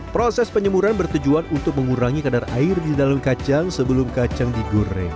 proses penyemuran bertujuan untuk mengurangi kadar air di dalam kacang sebelum kacang digoreng